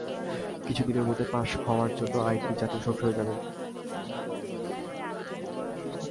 কিছুদিনের মধ্যে পাস হওয়ার জন্য আইনটি জাতীয় সংসদে যাবে।